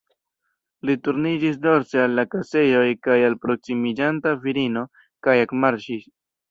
Li turniĝis dorse al la kasejoj kaj al la proksimiĝanta virino, kaj ekmarŝis.